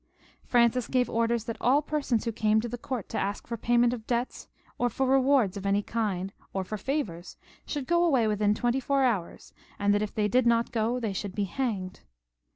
Francis gave orders that every one who had come to the court to ask for payment of debts, or for rewards of any kind, or for favours, should go away within twenty four hours, and that if they did not go they should be hanged.